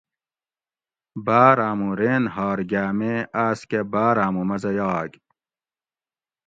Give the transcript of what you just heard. بار آمو رین ھار گیامے آس کہ بار آمو مزہ یاگ